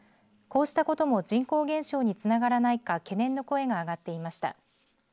こうしたことも人口減少につながらないか懸念の声が上がっていました。